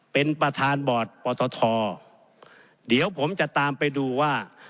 เป็นประธานบอร์ดปตทเดี๋ยวผมจะตามไปดูว่า